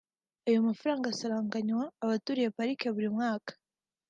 Ayo mafaranga asaranganywa abaturiye Pariki buri mwaka